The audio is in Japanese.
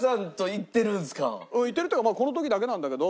行ってるっていうかこの時だけなんだけど。